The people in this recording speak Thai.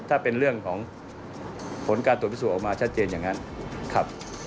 ถ้าเป็นเรื่องของผลการตรวจพิสูจน์ออกมาชัดเจนอย่างนั้นครับ